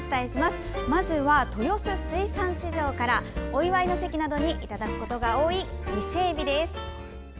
まずは豊洲水産市場からお祝いの席などにいただくことが多い伊勢えびです。